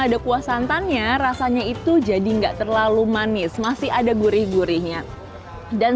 ada kuah santannya rasanya itu jadi enggak terlalu manis masih ada gurih gurihnya dan